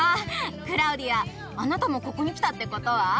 クラウディアあなたもここに来たってことは？